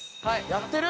やってる？